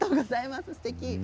すてき！